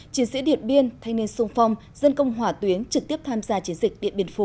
chiến sĩ điện biên thanh niên sung phong dân công hỏa tuyến trực tiếp tham gia chiến dịch điện biên phủ